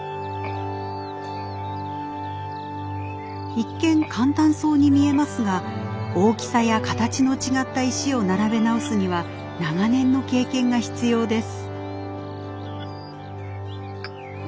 一見簡単そうに見えますが大きさや形の違った石を並べ直すには長年の経験が必要です。